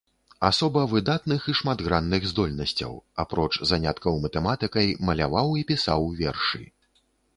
Асоба выдатных і шматгранных здольнасцяў, апроч заняткаў матэматыкай, маляваў і пісаў вершы.